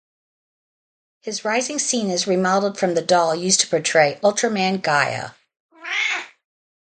His rising scene is remodeled from the doll used to portray Ultraman Gaia.